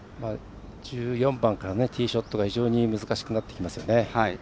１４番からのティーショットが非常に難しくなってきますね。